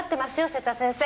瀬田先生。